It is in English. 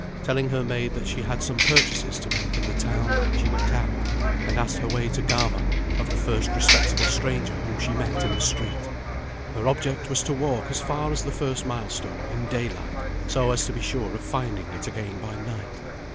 Telling her maid that she had some purchases to make in the town, she went out, and asked her way to Garvan of the first respectable stranger whom she met in the street. Her object was to walk as far as the first milestone, in daylight, so as to be sure of finding it again by night.